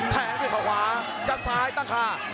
แทงด้วยเขาขวายัดซ้ายตั้งคา